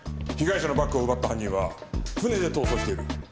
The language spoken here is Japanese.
被害者のバッグを奪った犯人は船で逃走している。